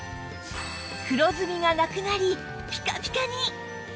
黒ずみがなくなりピカピカに！